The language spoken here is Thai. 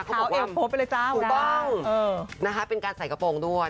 กองล่องนะคะเป็นการใส่กระโปรงด้วย